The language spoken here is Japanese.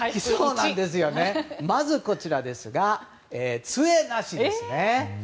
まず、こちらですがつえなしですね。